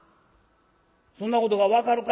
「そんなことが分かるか？」。